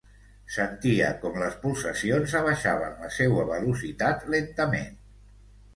Sentia com les polsacions abaixaven la seua velocitat lentament.